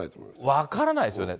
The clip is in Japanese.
分からないですよね。